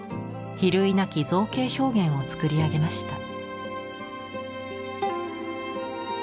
比類なき造形表現を作り上げました。